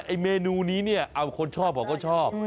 ไอ้เมนูนี้เนี่ยเอาคนชอบเขาก็ชอบ